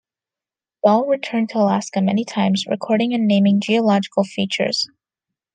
Dall returned to Alaska many times, recording and naming geological features.